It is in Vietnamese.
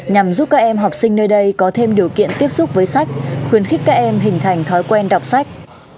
nhằm giúp các em học sinh nơi đây có thêm điều kiện tiếp xúc với sách khuyến khích các em hình thành thói quen đọc sách